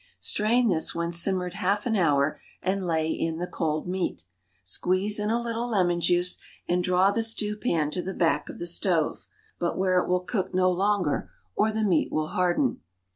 Strain this when simmered half an hour and lay in the cold meat. Squeeze in a little lemon juice and draw the stew pan to the back of the stove, but where it will cook no longer, or the meat will harden.